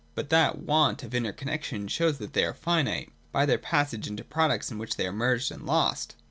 But that want of inner connexion shows that they are finite, by their passage into products in which they are merged and lost.